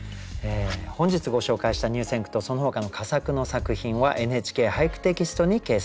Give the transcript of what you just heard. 本日ご紹介した入選句とそのほかの佳作の作品は「ＮＨＫ俳句」テキストに掲載されます。